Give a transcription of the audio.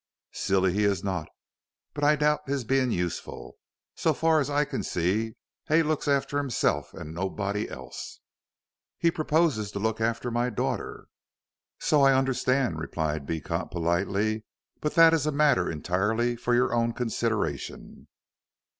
"Silly he is not, but I doubt his being useful. So far as I can see Hay looks after himself and nobody else." "He proposes to look after my daughter." "So I understand," replied Beecot, politely, "but that is a matter entirely for your own consideration."